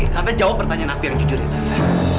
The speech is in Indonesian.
tante jawab pertanyaan aku yang jujur ya tante